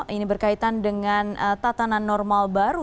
ini berkaitan dengan tatanan normal baru